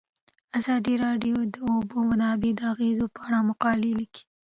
ازادي راډیو د د اوبو منابع د اغیزو په اړه مقالو لیکلي.